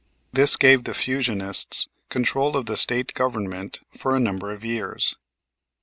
This gave the Fusionists control of the State Government for a number of years.